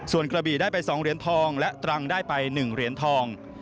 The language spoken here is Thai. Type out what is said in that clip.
ส่วนกระบี่ได้ไป๒เหรียญทองและตรังได้ไป๑เหรียญทอง